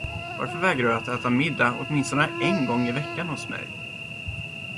Varför vägrar du att äta middag åtminstone en gång i veckan hos mig?